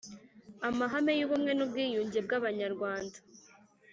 amahame y ubumwe n ubwiyunge bw Abanyarwanda